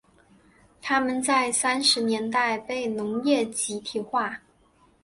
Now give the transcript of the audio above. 他们在三十年代被农业集体化。